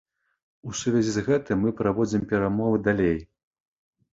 У сувязі з гэтым мы праводзім перамовы далей.